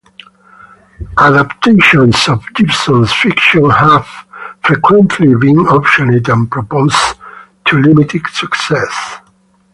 Adaptations of Gibson's fiction have frequently been optioned and proposed, to limited success.